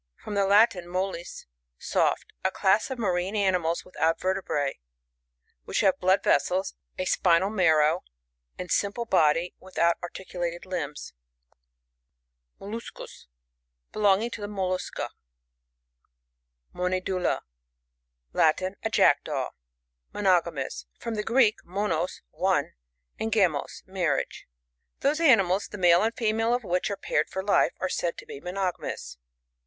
— From the Latin, mollis^ soft. A class of marine animals without vertebrs, which have blood vessels, a spinal marrow, and a sim ple body, without articulated limbs. MoLLuscoas. Belonging to Mollusca. MoNEDULA. — Latin. A Jackdaw. Monogamous. — From the Greek, monoSt one, and gamos, marriage. Those animals, the male and female of which are paired for life, are said to be monogamous.